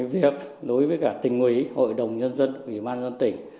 việc đối với cả tỉnh ủy hội đồng nhân dân ủy ban nhân tỉnh